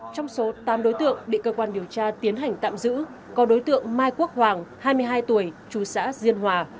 trong số tám đối tượng bị cơ quan điều tra tiến hành tạm giữ có đối tượng mai quốc hoàng hai mươi hai tuổi chú xã diên hòa